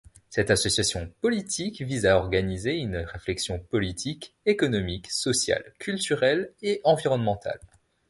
Cette association politique vise à organiser une réflexion politique, économique, sociale, culturelle et environnementale.